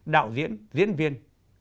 đạo diễn diễn viên